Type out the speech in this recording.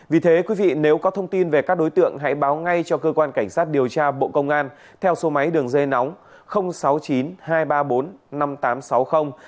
vì thế quý vị nếu có thông tin về các đối tượng hãy báo ngay cho cơ quan cảnh sát điều tra bộ công an theo số máy đường dây nóng sáu mươi chín hai trăm ba mươi bốn năm nghìn tám trăm sáu mươi